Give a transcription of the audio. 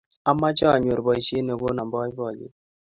Amache anyor poisyet ne kono poipoyet